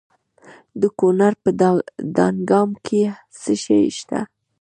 د کونړ په دانګام کې څه شی شته؟